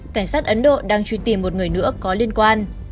cảnh sát ấn độ đang truy tìm một người nữa có liên quan